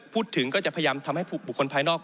พูดถึงก็จะพยายามทำให้บุคคลภายนอก